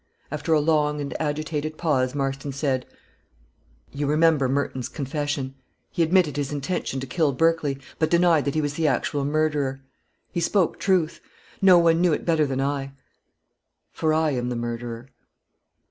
After a long and agitated pause, Marston said "You remember Merton's confession. He admitted his intention to kill Berkley, but denied that he was the actual murderer. He spoke truth no one knew it better than I; for I am the murderer."